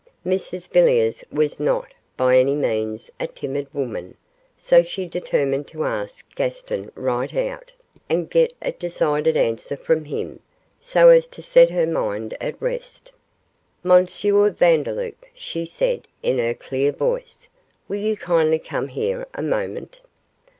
Mrs Villiers was not, by any means, a timid woman, so she determined to ask Gaston right out, and get a decided answer from him, so as to set her mind at rest. 'M. Vandeloup,' she said, in her clear voice, 'will you kindly come here a moment?